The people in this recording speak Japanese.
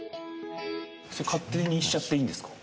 勝手にしちゃっていいんですか？